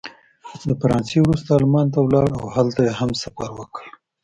د فرانسې وروسته المان ته ولاړ او هلته یې هم سفر وکړ.